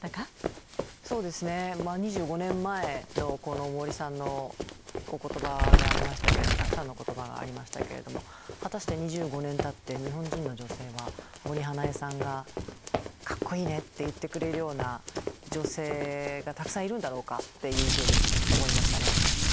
そうですねまあ２５年前のこの森さんのお言葉がありましたたくさんの言葉がありましたけれども果たして２５年たって日本人の女性は森英恵さんがかっこいいねって言ってくれるような女性がたくさんいるんだろうかっていうふうに思いましたね。